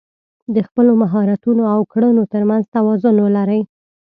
د خپلو مهارتونو او کړنو تر منځ توازن ولرئ.